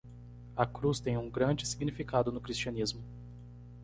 A cruz tem um grande significado no cristianismo.